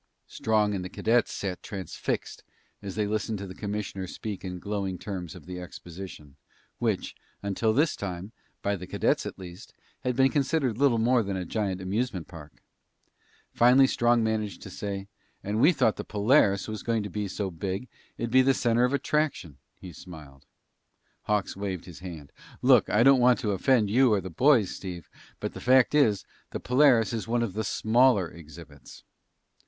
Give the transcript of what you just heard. Strong and the cadets sat transfixed as they listened to the commissioner speak in glowing terms of the exposition, which, until this time, by the cadets at least, had been considered little more than a giant amusement park. Finally Strong managed to say, "And we thought the Polaris was going to be so big, it'd be the center of attraction." He smiled. Hawks waved his hand. "Look, I don't want to offend you or the boys, Steve, but the fact is, the Polaris is one of the smaller exhibits!"